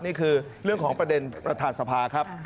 นี่คือเรื่องของประเด็นประธานสภาครับ